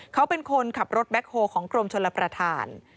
เขาเป็นคนขับรถแบ็คโฮของกรมชลประธาน